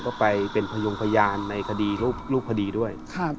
ผมก็ไปเป็นพยงพญานชีวิตรูปพฤดีด้วย